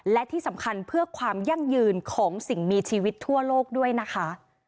และที่สำคัญเพื่อความยั่งยืนของสิ่งมีชีวิตทั่วโลกด้วยนะคะ